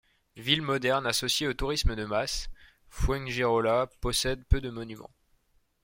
Ville moderne associée au tourisme de masse, Fuengirola possède peu de monuments.